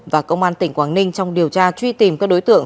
và công an tỉnh quảng ninh trong điều tra truy tìm các đối tượng